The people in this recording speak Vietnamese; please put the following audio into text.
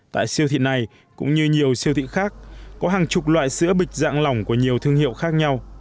tại siêu thị này cũng như nhiều siêu thị khác có hàng chục loại sữa bịch dạng lỏng của nhiều thương hiệu khác nhau